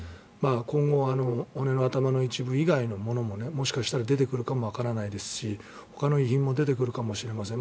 今後、骨の頭の一部以外のものももしかしたら出てくるかもわからないですしほかの遺品も出てくるかもしれません。